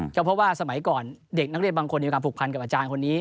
ก็เพราะว่าสมัยก่อนเด็กนักเรียนบางคนมีความผูกพันกับอาจารย์คนนี้